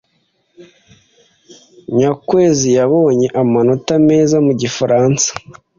Nyakwezi yabonye amanota meza mu gifaransa.